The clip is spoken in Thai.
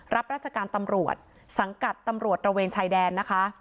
รับราชการตำรวจสังกัดตำรวจตระเวนชายแดนนะคะ